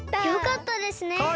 よかったですね！